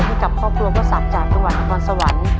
ให้กับครอบครัวพ่อศักดิ์จากจังหวัดนครสวรรค์